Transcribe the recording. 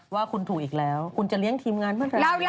ว่าคุณถูกอีกแล้วคุณจะเลี้ยงทิมงานประมาณไหน